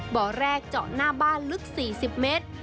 บ่อแรกเจาะหน้าบ้านลึก๔๐เมตร